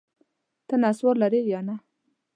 ته نسوار لرې یا نه؟